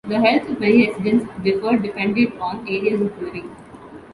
The health of many residents differed depended on areas of living.